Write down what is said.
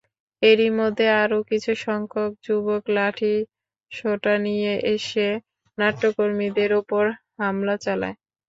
এরই মধ্যে আরও কিছুসংখ্যক যুবক লাঠিসোঁটা নিয়ে এসে নাট্যকর্মীদের ওপর হামলা চালায়।